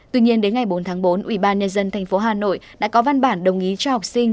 tuy nhiên đến ngày bốn tháng bốn ubnd tp hà nội đã có văn bản đồng ý cho học sinh